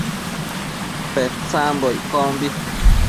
Petsambo iccombi